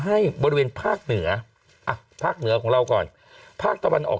ให้บริเวณภาคเหนืออ่ะภาคเหนือของเราก่อนภาคตะวันออก